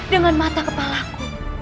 dengan mata kepalaku